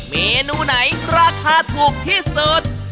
เมนูไหนราคาถูกที่สุด